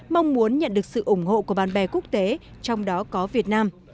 mong muốn nhận được sự ủng hộ của bạn bè quốc tế trong đó có việt nam